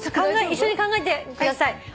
一緒に考えてください。